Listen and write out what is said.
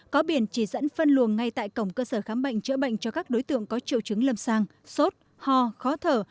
có biển chỉ dẫn phân luồng ngay tại cổng cơ sở khám bệnh chữa bệnh cho các đối tượng có triệu chứng lâm sàng sốt ho khó thở